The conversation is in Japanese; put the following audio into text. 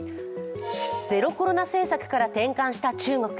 ゼロコロナ政策から転換した中国。